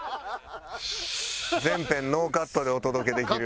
全編ノーカットでお届けできる。